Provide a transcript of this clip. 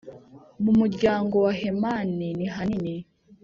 Mu muryango wa Hemani nihanini